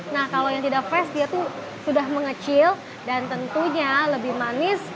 nah kalau yang tidak fresh dia tuh sudah mengecil dan tentunya lebih manis